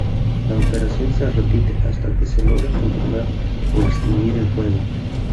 La operación se repite hasta que se logra controlar o extinguir el fuego.